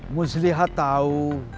mus lihat tahu